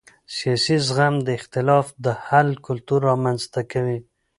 سیاسي زغم د اختلاف د حل کلتور رامنځته کوي